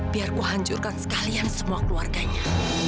biar ku hancurkan sekalian semua keluarganya